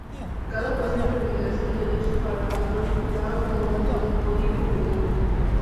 Cada posible combinación de dichos parámetros daba como resultado un código único.